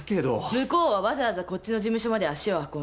向こうはわざわざこっちの事務所まで足を運んだ。